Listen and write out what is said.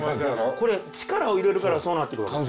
これ力を入れるからそうなってくるわけ。